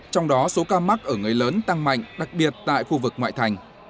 trong đó số ca mắc ở người lớn tăng mạnh đặc biệt tại khu vực ngoại thành